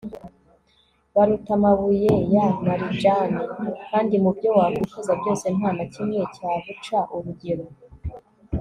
buruta amabuye ya marijani kandi mu byo wakwifuza byose nta na kimwe cyabuca urugero